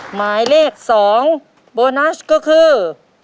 หมายเลข๒โบนัสก็คือ